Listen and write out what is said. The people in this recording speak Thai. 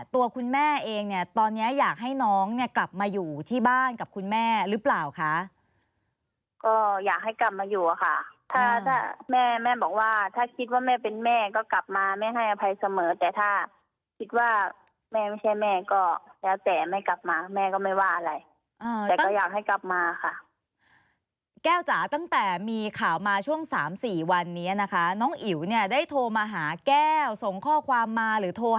ตัวคุณแม่เองเนี่ยตอนเนี้ยอยากให้น้องเนี่ยกลับมาอยู่ที่บ้านกับคุณแม่หรือเปล่าคะก็อยากให้กลับมาอยู่อะค่ะถ้าถ้าแม่แม่บอกว่าถ้าคิดว่าแม่เป็นแม่ก็กลับมาแม่ให้อภัยเสมอแต่ถ้าคิดว่าแม่ไม่ใช่แม่ก็แล้วแต่ไม่กลับมาแม่ก็ไม่ว่าอะไรแต่ก็อยากให้กลับมาค่ะแก้วจ๋าตั้งแต่มีข่าวมาช่วงสามสี่วันนี้นะคะน้องอิ๋วเนี่ยได้โทรมาหาแก้วส่งข้อความมาหรือโทร